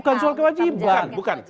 bukan soal kewajiban